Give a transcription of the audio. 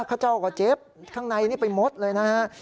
ข้าวเจ้ากับเจ๊บข้างในนี่ไปหมดเลยนะฮะ